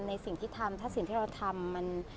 ในสิ่งที่ทำถ้าสิ่งที่เราทำมัน